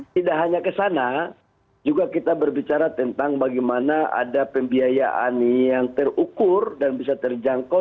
tidak hanya ke sana juga kita berbicara tentang bagaimana ada pembiayaan yang terukur dan bisa terjangkau